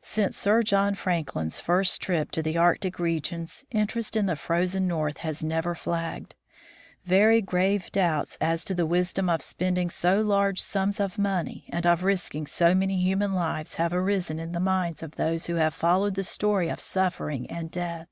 Since Sir John Franklin's first trip to the Arctic regions, interest in the Frozen North has never flagged. Very grave doubts as to the wisdom of spending so large sums of money and of risking so many human lives have arisen in the minds of those who have followed the story of suf fering and death.